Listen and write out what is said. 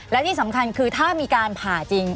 และที่สำคัญคือถ้ามีการผ่าจริง